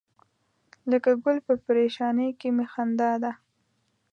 لکه ګل په پرېشانۍ کې می خندا ده.